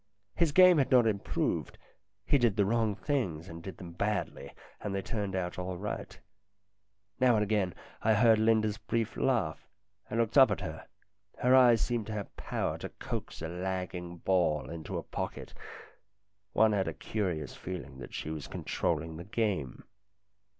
His game had not improved ; he did the wrong things and did them badly, and they turned out all right. Now and again I heard Linda's brief laugh, and looked up at her. Her eyes seemed to have power to coax a lagging ball into a pocket ; one had a curious feeling that she was controlling the game.